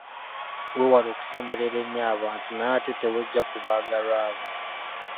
Weewale okusemberera ennyo abantu naye ate teweggya ku baagalwa bo.